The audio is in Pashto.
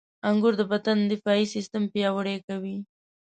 • انګور د بدن دفاعي سیستم پیاوړی کوي.